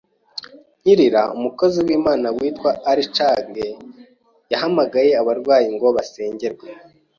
Nkirira, umukozi w’Imana witwa Archange yahamagaye abarwayi ngo basengerwe,